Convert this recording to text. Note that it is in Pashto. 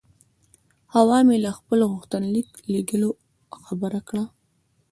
حوا مې له خپل غوښتنلیک لېږلو خبره کړه.